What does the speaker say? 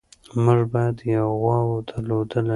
موږ باید یوه غوا درلودلی.